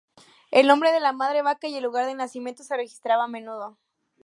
El nombre de la madre-vaca y el lugar de nacimiento se registraba a menudo.